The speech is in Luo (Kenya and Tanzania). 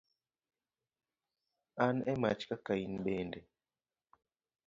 An e mach kaka in bende.